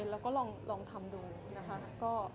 เราก็ลองทำดูนะคะ